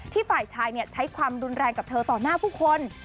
ฝ่ายชายใช้ความรุนแรงกับเธอต่อหน้าผู้คน